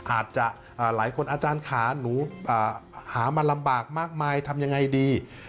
อาจจะหลายคนอาจารย์ขาหนูหามาลำบากมากมายทำยังไงดี